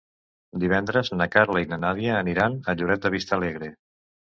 Divendres na Carla i na Nàdia aniran a Lloret de Vistalegre.